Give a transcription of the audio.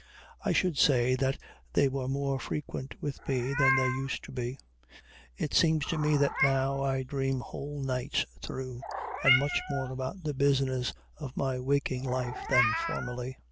I should say that they were more frequent with me than they used to be; it seems to me that now I dream whole nights through, and much more about the business of my waking life than formerly.